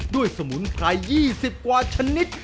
สมุนไพร๒๐กว่าชนิด